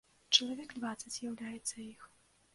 Чалавек дваццаць з'яўляецца іх.